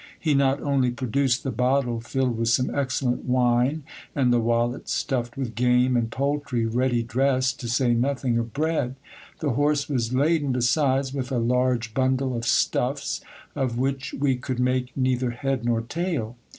He not only produced the bottle filled with some excellent wine, and the wallet stuffed with game and poultry ready dressed, to say nothing of bread ; the horse was laden besides with a large bundle of stuffs, of which we could make neither head nor tail.